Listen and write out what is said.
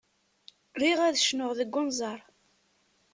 Riɣ ad cnuɣ deg unẓar.